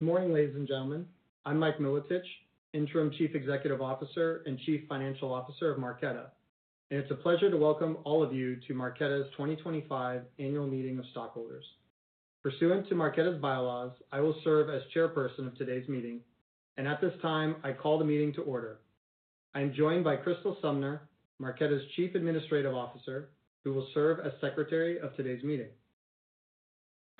Good morning, ladies and gentlemen. I'm Mike Milotich, Interim Chief Executive Officer and Chief Financial Officer of Marqeta, and it's a pleasure to welcome all of you to Marqeta's 2025 annual meeting of stockholders. Pursuant to Marqeta's Bylaws, I will serve as Chairperson of today's meeting, and at this time, I call the meeting to order. I am joined by Crystal Sumner, Marqeta's Chief Administrative Officer, who will serve as Secretary of today's meeting.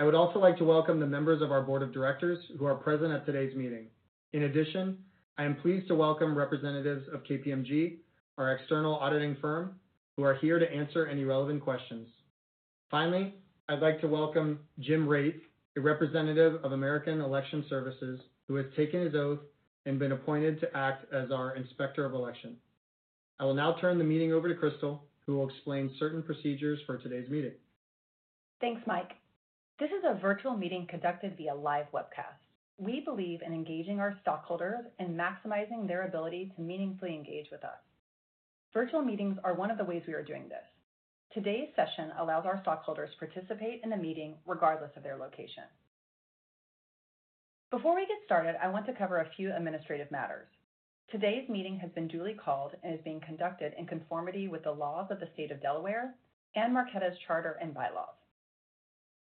I would also like to welcome the members of our Board of Directors who are present at today's meeting. In addition, I am pleased to welcome representatives of KPMG, our external auditing firm, who are here to answer any relevant questions. Finally, I'd like to welcome Jim Raitt, a representative of American Election Services, who has taken his oath and been appointed to act as our Inspector of Election. I will now turn the meeting over to Crystal, who will explain certain procedures for today's meeting. Thanks, Mike. This is a virtual meeting conducted via live webcast. We believe in engaging our stockholders and maximizing their ability to meaningfully engage with us. Virtual meetings are one of the ways we are doing this. Today's session allows our stockholders to participate in the meeting regardless of their location. Before we get started, I want to cover a few administrative matters. Today's meeting has been duly called and is being conducted in conformity with the laws of the State of Delaware and Marqeta's Charter and Bylaws.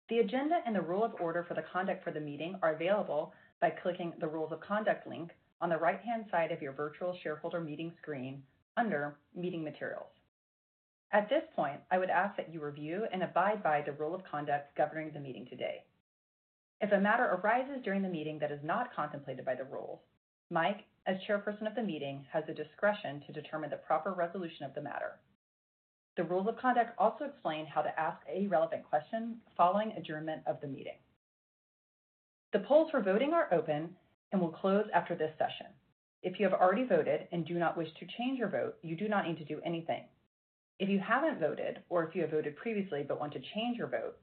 The agenda and the rule of order for the conduct of the meeting are available by clicking the Rules of Conduct link on the right-hand side of your virtual shareholder meeting screen under Meeting Materials. At this point, I would ask that you review and abide by the rule of conduct governing the meeting today. If a matter arises during the meeting that is not contemplated by the rules, Mike, as Chairperson of the meeting, has the discretion to determine the proper resolution of the matter. The rules of conduct also explain how to ask a relevant question following adjournment of the meeting. The polls for voting are open and will close after this session. If you have already voted and do not wish to change your vote, you do not need to do anything. If you haven't voted or if you have voted previously but want to change your vote,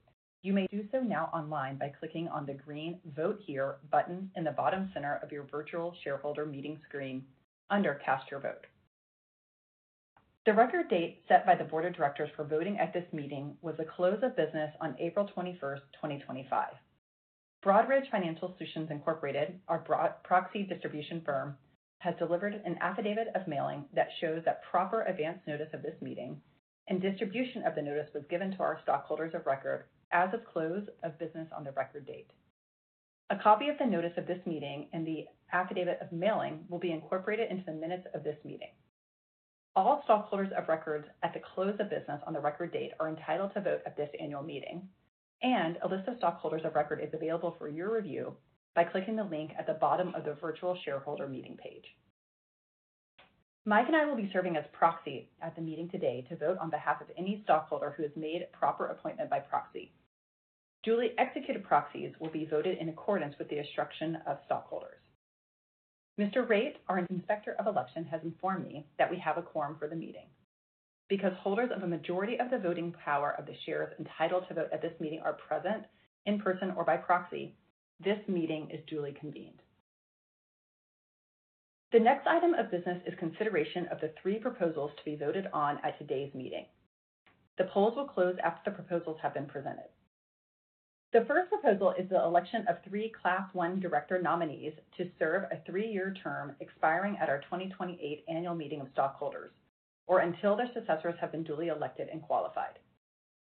you may do so now online by clicking on the green Vote Here button in the bottom center of your virtual shareholder meeting screen under Cast Your Vote. The record date set by the Board of Directors for voting at this meeting was the close of business on April 21st, 2025. Broadridge Financial Solutions Incorporated, our proxy distribution firm, has delivered an affidavit of mailing that shows that proper advance notice of this meeting and distribution of the notice was given to our stockholders of record as of close of business on the record date. A copy of the notice of this meeting and the affidavit of mailing will be incorporated into the minutes of this meeting. All stockholders of record at the close of business on the record date are entitled to vote at this annual meeting, and a list of stockholders of record is available for your review by clicking the link at the bottom of the virtual shareholder meeting page. Mike and I will be serving as proxy at the meeting today to vote on behalf of any stockholder who has made proper appointment by proxy. Duly executed proxies will be voted in accordance with the instruction of stockholders. Mr. Raitt, our Inspector of Election, has informed me that we have a quorum for the meeting. Because holders of a majority of the voting power of the shares entitled to vote at this meeting are present in person or by proxy, this meeting is duly convened. The next item of business is consideration of the three proposals to be voted on at today's meeting. The polls will close after the proposals have been presented. The first proposal is the election of three Class I Director nominees to serve a three-year term expiring at our 2028 annual meeting of stockholders or until their successors have been duly elected and qualified.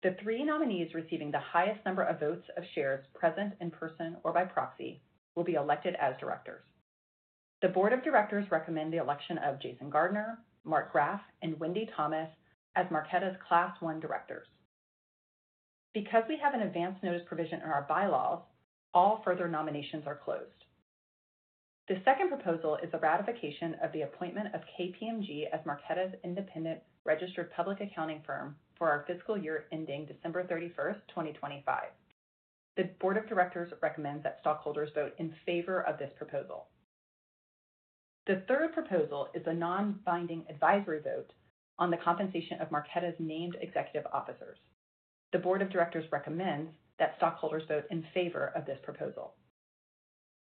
The three nominees receiving the highest number of votes of shares present in person or by proxy will be elected as Directors. The Board of Directors recommend the election of Jason Gardner, Mark Graf, and Wendy Thomas as Marqeta's Class I Directors. Because we have an advance notice provision in our Bylaws, all further nominations are closed. The second proposal is the ratification of the appointment of KPMG as Marqeta's Independent Registered Public Accounting Firm for our fiscal year ending December 31st, 2025. The Board of Directors recommends that stockholders vote in favor of this proposal. The third proposal is the non-binding advisory vote on the compensation of Marqeta's named executive officers. The Board of Directors recommends that stockholders vote in favor of this proposal.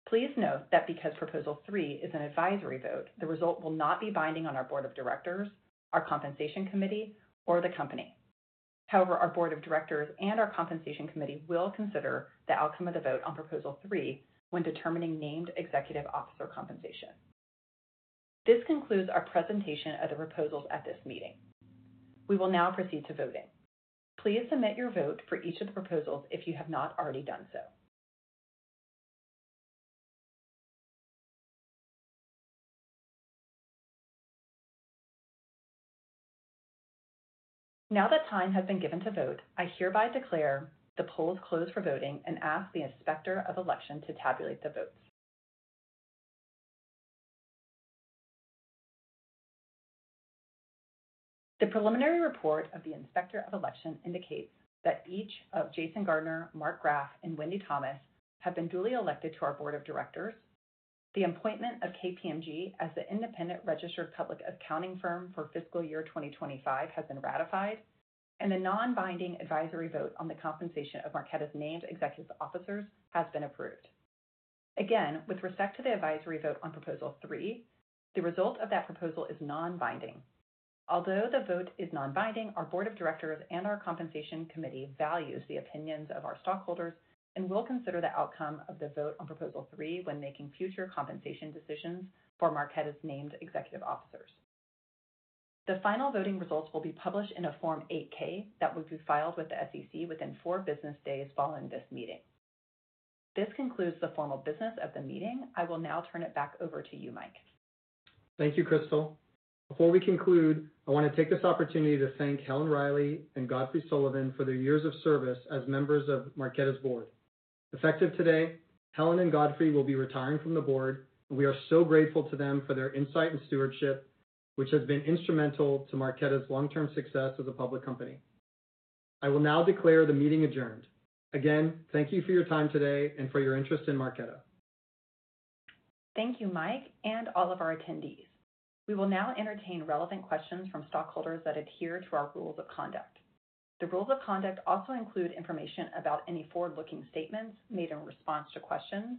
Please note that because proposal three is an advisory vote, the result will not be binding on our Board of Directors, our Compensation Committee, or the company. However, our Board of Directors and our Compensation Committee will consider the outcome of the vote on proposal three when determining named executive officer compensation. This concludes our presentation of the proposals at this meeting. We will now proceed to voting. Please submit your vote for each of the proposals if you have not already done so. Now that time has been given to vote, I hereby declare the polls closed for voting and ask the Inspector of Election to tabulate the votes. The preliminary report of the Inspector of Election indicates that each of Jason Gardner, Mark Graf, and Wendy Thomas have been duly elected to our Board of Directors, the appointment of KPMG as the Independent Registered Public Accounting Firm for fiscal year 2025 has been ratified, and the non-binding advisory vote on the compensation of Marqeta's named executive officers has been approved. Again, with respect to the advisory vote on proposal three, the result of that proposal is non-binding. Although the vote is non-binding, our Board of Directors and our Compensation Committee values the opinions of our stockholders and will consider the outcome of the vote on proposal three when making future compensation decisions for Marqeta's named executive officers. The final voting results will be published in a Form 8-K that will be filed with the SEC within four business days following this meeting. This concludes the formal business of the meeting. I will now turn it back over to you, Mike. Thank you, Crystal. Before we conclude, I want to take this opportunity to thank Helen Riley and Godfrey Sullivan for their years of service as members of Marqeta's board. Effective today, Helen and Godfrey will be retiring from the board, and we are so grateful to them for their insight and stewardship, which has been instrumental to Marqeta's long-term success as a public company. I will now declare the meeting adjourned. Again, thank you for your time today and for your interest in Marqeta. Thank you, Mike and all of our attendees. We will now entertain relevant questions from stockholders that adhere to our rules of conduct. The rules of conduct also include information about any forward-looking statements made in response to questions.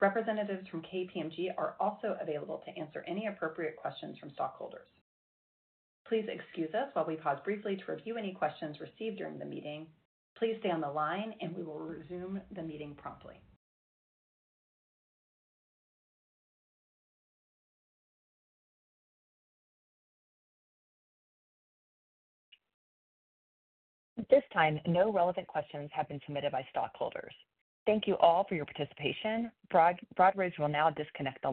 Representatives from KPMG are also available to answer any appropriate questions from stockholders. Please excuse us while we pause briefly to review any questions received during the meeting. Please stay on the line, and we will resume the meeting promptly. At this time, no relevant questions have been submitted by stockholders. Thank you all for your participation. Broadridge will now disconnect the.